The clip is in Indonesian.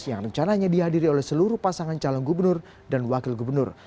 yang rencananya dihadiri oleh seluruh pasangan calon gubernur dan wakil gubernur